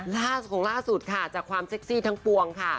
ล่าสุดของล่าสุดค่ะจากความเซ็กซี่ทั้งปวงค่ะ